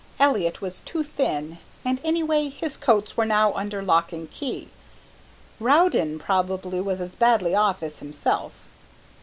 Elliott was too thin, and, anyway, his coats were now under lock and key. Rowden probably was as badly off as himself.